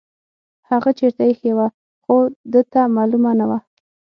هغه چیرته ایښې وه خو ده ته معلومه نه وه.